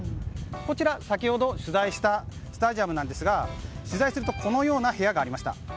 こちら、先ほど取材したスタジアムですが取材しているとこのような部屋がありました。